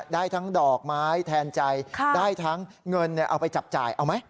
ได้ทั้งดอกไม้แทนใจได้ทั้งเงินเอาไปจับจ่ายเอาไหม